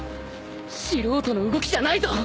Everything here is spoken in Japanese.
素人の動きじゃないぞ！